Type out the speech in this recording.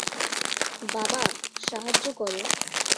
বাবা, সাহায্য কর!